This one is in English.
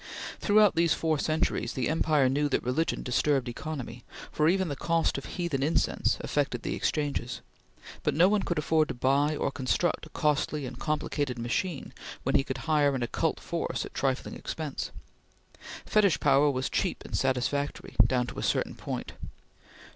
Throughout these four centuries the empire knew that religion disturbed economy, for even the cost of heathen incense affected the exchanges; but no one could afford to buy or construct a costly and complicated machine when he could hire an occult force at trifling expense. Fetish power was cheap and satisfactory, down to a certain point.